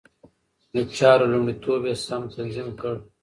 د چارو لومړيتوب يې سم تنظيم کړ.